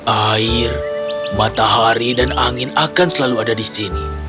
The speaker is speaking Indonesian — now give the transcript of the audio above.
air matahari dan angin akan selalu ada di sini